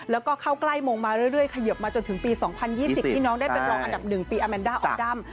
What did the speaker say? แล้วก็เข้าใกล้มงมาเรื่อยเขยิบมาจนถึงปี๒๐๒๐ที่น้องได้เป็นรองอันดับ๑ปีอาแมนด้าออดัม